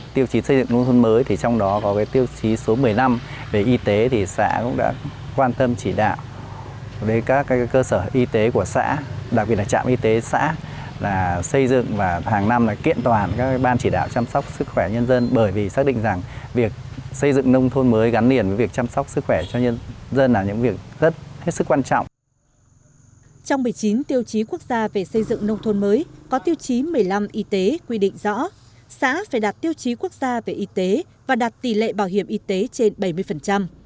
trong một mươi chín tiêu chí quốc gia về xây dựng nông thôn mới có tiêu chí một mươi năm y tế quy định rõ xã phải đặt tiêu chí quốc gia về y tế và đặt tỷ lệ bảo hiểm y tế trên bảy mươi